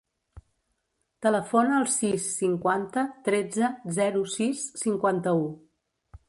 Telefona al sis, cinquanta, tretze, zero, sis, cinquanta-u.